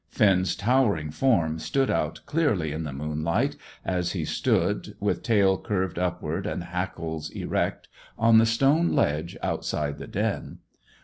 Finn's towering form stood out clearly in the moonlight, as he stood, with tail curved upward and hackles erect, on the stone ledge outside the den.